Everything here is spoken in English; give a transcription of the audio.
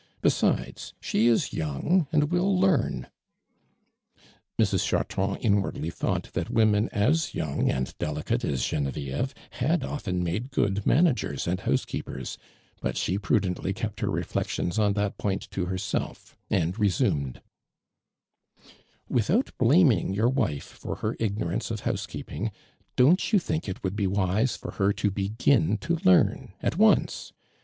Besides, she is young and will learn." Mrs. Chartrand inwardly thought that women as young and delicate as Genevieve had often made good managers and house keepers, but she prudently kept her reflec tions on that jioint to herself, and resum ed : '■'Without blaming your wife for her ignorance of housekeeping, don't you think it would be wise for htr to begin to learn at once.